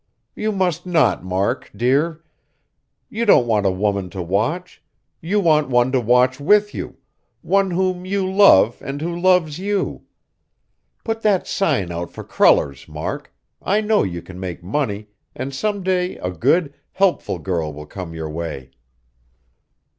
"You must not, Mark, dear. You don't want a woman to watch; you want one to watch with you, one whom you love and who loves you. Put that sign out for crullers, Mark, I know you can make money, and some day a good, helpful girl will come your way."